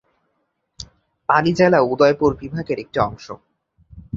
পালি জেলা উদয়পুর বিভাগের একটি অংশ।